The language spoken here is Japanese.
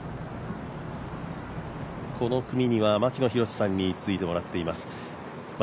この組には牧野裕さんについてもらっています。